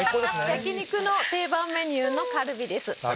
焼き肉の定番メニューのカルビです。